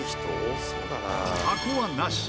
箱はなし。